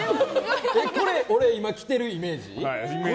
これ俺、着てるイメージ？